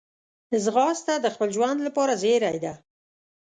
ځغاسته د خپل ژوند لپاره زېری ده